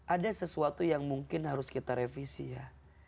ada sesuatu yang mungkin harus kita revisi ya